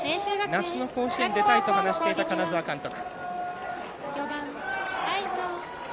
夏の甲子園に出たいと話していた金沢監督。